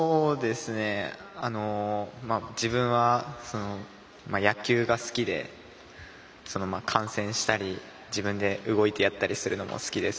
自分は野球が好きで観戦したり自分で動いてやったりするのが好きです。